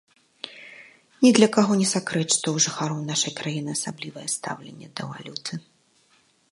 Ні для каго не сакрэт, што ў жыхароў нашай краіны асаблівае стаўленне да валюты.